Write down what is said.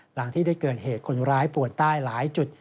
หลังที่ได้เกิดเหตุคนร้ายปวดใต้หลายจุด